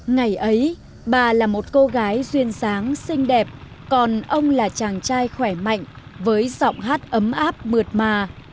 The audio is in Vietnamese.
ngày ấy bà là một cô gái duyên sáng xinh đẹp còn ông là chàng trai khỏe mạnh với giọng hát ấm áp mượt mà